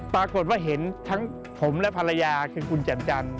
ปรากฏว่าเห็นทั้งผมและภรรยาคือคุณจันจันท